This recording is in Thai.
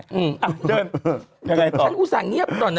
ยังไงต่อฉันอุตส่างเงียบตอนน่ะ